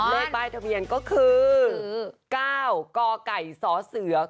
เลขป้ายทะเบียนก็คือ